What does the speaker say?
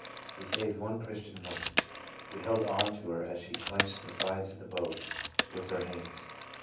We saved one Christian woman. We held on to her as she clenched the sides of the boat with her hands.